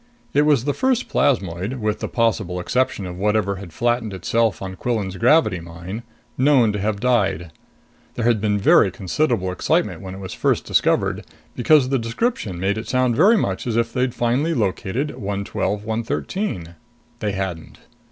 It was the first plasmoid with the possible exception of whatever had flattened itself out on Quillan's gravity mine known to have died. There had been very considerable excitement when it was first discovered, because the description made it sound very much as if they'd finally located 112 113. They hadn't.